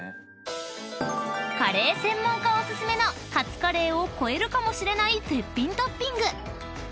［カレー専門家お薦めのカツカレーを超えるかもしれない絶品トッピング］